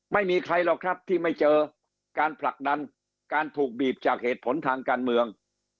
ไม่มีใครหรอกครับที่ไม่เจอการผลักดันการถูกบีบจากเหตุผลทางการเมือง